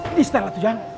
ini setel lah tu jan